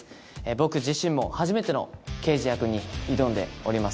僕自身も初めての刑事役に挑んでおります